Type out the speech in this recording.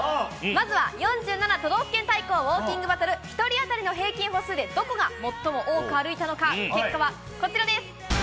まずは４７都道府県対抗ウオーキングバトル、１人当たりの平均歩数で、どこが最も多く歩いたのか、結果はこちらです。